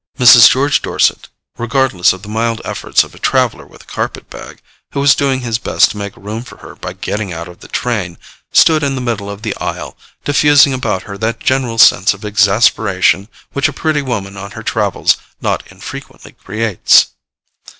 Mrs. George Dorset, regardless of the mild efforts of a traveller with a carpet bag, who was doing his best to make room for her by getting out of the train, stood in the middle of the aisle, diffusing about her that general sense of exasperation which a pretty woman on her travels not infrequently creates.